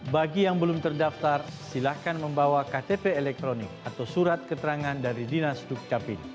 bagi yang belum terdaftar silahkan membawa ktp elektronik atau surat keterangan dari dinas dukcapil